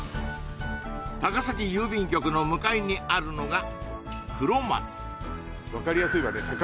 高崎郵便局の向かいにあるのがくろ松分かりやすいわね